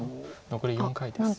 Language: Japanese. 残り４回です。